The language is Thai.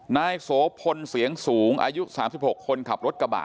นายโสพลเสียงสูงอายุ๓๖คนขับรถกระบะ